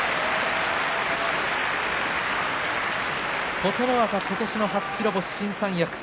琴ノ若、今年の初白星、新三役。